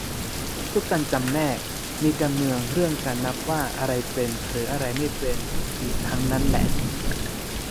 ทุกการจำแนก มีการเมืองเรื่องการนับว่าอะไรเป็นหรืออะไรไม่เป็นอยู่ทั้งนั้นแหละ